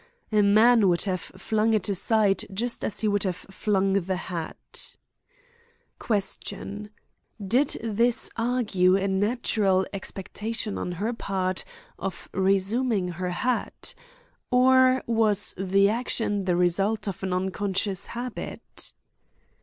A man would have flung it aside just as he would have flung the hat. Question: Did this argue a natural expectation on her part of resuming her hat? Or was the action the result of an unconscious habit?